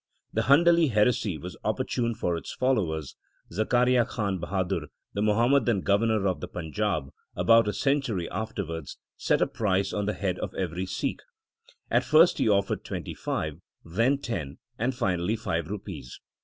The Handali heresy was opportune for its followers. Zakaria Khan Bahadur, the Muhammadan Governor of the Panjab, about a century afterwards, set a price on the head of every Sikh. At first he offered twenty five, then ten, and finally five rupees.